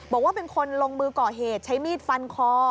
บอกว่าเป็นคนลงมือก่อเหตุใช้มีดฟันคอ